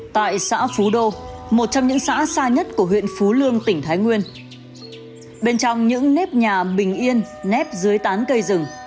tại xã phú đô một trong những xã xa nhất của huyện phú lương tỉnh thái nguyên bên trong những nếp nhà bình yên nếp dưới tán cây rừng